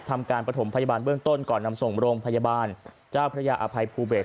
ทำการประถมพยาบาลเบื้องต้นก่อนนำส่งโรงพยาบาลเจ้าพระยาอภัยภูเบศ